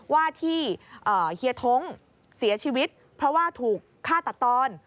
ว่าที่เฮียท้งเสียชีวิตเพราะว่าถูกฆ่าตัดตอน